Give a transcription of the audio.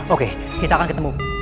oke kita akan ketemu